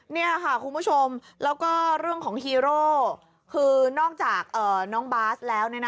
นี่ค่ะคุณผู้ชมแล้วก็เรื่องของฮีโร่คือนอกจากน้องบาสแล้ว